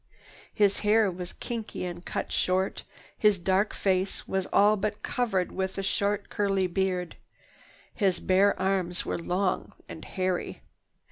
His hair was kinky and cut short, his dark face all but covered with a short curly beard. His bare arms were long and hairy.